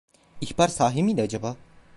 İhbar sahi miydi acaba?